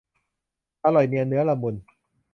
อร่อยเนียนเนื้อละมุน